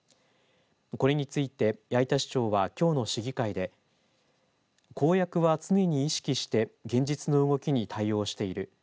これについて八板市長はきょうの市議会で公約は常に意識して現実の動きに対応している。